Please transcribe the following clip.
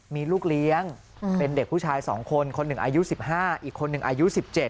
มีลูกเลี้ยงเป็นเด็กผู้ชาย๒คนคนหนึ่งอายุ๑๕อีกคนหนึ่งอายุ๑๗